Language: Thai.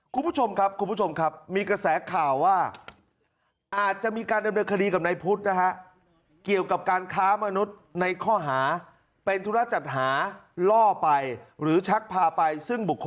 คุณผู้ชมครับคุณผู้ชมครับ